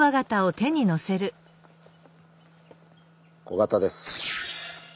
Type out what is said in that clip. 小型です。